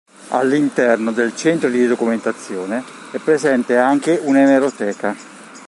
All'interno del centro di documentazione è presente anche un'emeroteca.